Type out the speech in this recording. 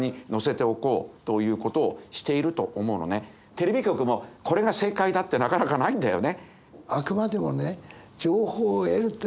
テレビ局もこれが正解だってなかなかないんだよね。